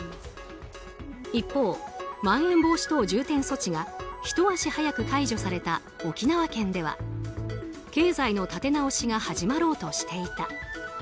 一方、まん延防止等重点措置がひと足早く解除された沖縄県では経済の立て直しが始まろうとしていた。